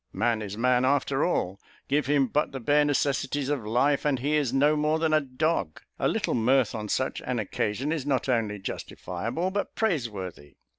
Man is man after all give him but the bare necessaries of life, and he is no more than a dog. A little mirth on such an occasion, is not only justifiable, but praiseworthy.